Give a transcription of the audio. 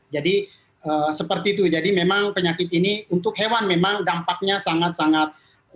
jadi seperti itu jadi memang penyakit ini untuk hewan memang dampaknya sangat sangat